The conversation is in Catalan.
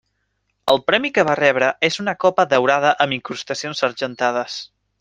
El premi que va rebre és una copa daurada amb incrustacions argentades.